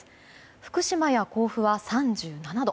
福島や甲府は３７度。